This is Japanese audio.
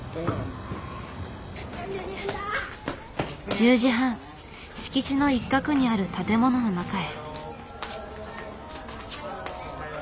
１０時半敷地の一角にある建物の中へ。